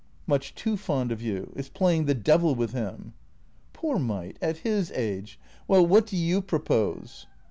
" Much too fond of you. It 's playing the devil with him." "Poor mite — at his age! Well — what do you propose?"